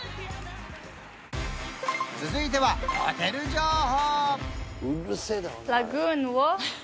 続いてはホテル情報！